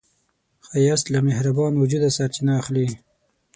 ښایست له مهربان وجوده سرچینه اخلي